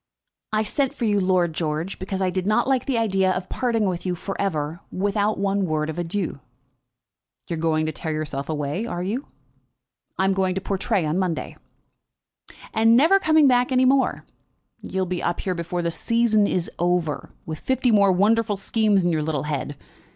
"I sent for you, Lord George, because I did not like the idea of parting with you for ever, without one word of adieu." "You are going to tear yourself away; are you?" "I am going to Portray on Monday." "And never coming back any more? You'll be up here before the season is over, with fifty more wonderful schemes in your little head.